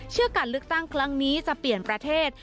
การเลือกตั้งครั้งนี้จะเปลี่ยนประเทศ